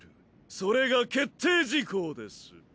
それが決定事項です！